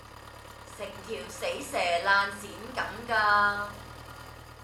成條死蛇爛鱔咁㗎